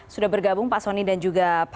sudah bergabung pak fasoni dan juga